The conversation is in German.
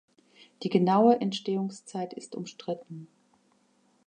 Die genaue Entstehungszeit ist umstritten.